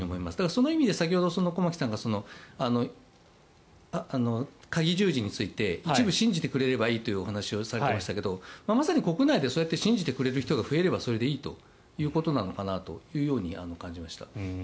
その意味で先ほど駒木さんがかぎ十字について一部、信じてくれればいいというお話をされていましたがまさに国内でそうやって信じてくれる人が増えればそれでいいということなのかなと感じました。